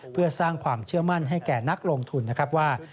เพื่อสร้างความเชื่อมั่นให้แก่นักลงทุนนะครับว่า